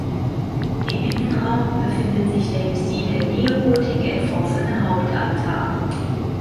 Im Innenraum befindet sich der im Stil der Neogotik entworfene Hauptaltar.